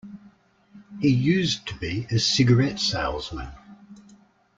He used to be a cigarette salesman.